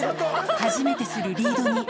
初めてするリードに。